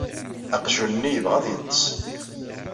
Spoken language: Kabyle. Aqjun-nni yebɣa ad yeṭṭes.